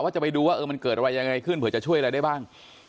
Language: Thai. จะไปดูว่ามันเกิดอะไรยังไงขึ้นเผื่อจะช่วยอะไรได้บ้าง